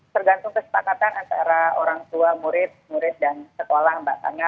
tergantung kesepakatan antara orang tua murid murid dan sekolah mbak nana